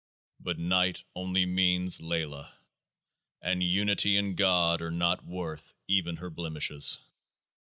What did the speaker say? But " night " only means LAYLAH ; 34 and Unity and GOD are not worth even her blemishes.